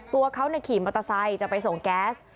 ตัวเขาขี่มอเตอร์ไซค์จะไปส่งแก๊ส